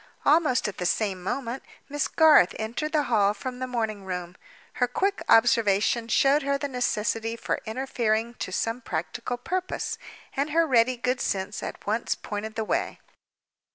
Almost at the same moment Miss Garth entered the hall from the morning room. Her quick observation showed her the necessity for interfering to some practical purpose; and her ready good sense at once pointed the way.